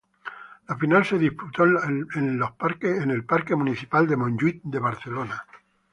La final se disputó en los Parque Municipal de Montjuïc de Barcelona.